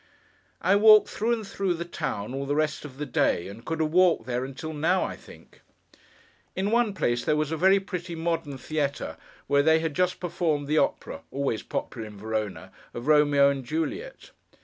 I walked through and through the town all the rest of the day, and could have walked there until now, I think. In one place, there was a very pretty modern theatre, where they had just performed the opera (always popular in Verona) of Romeo and Juliet.